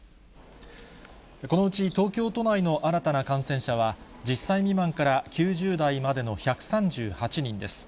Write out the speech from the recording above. このうち東京都内の新たな感染者は１０歳未満から９０代までの１３８人です。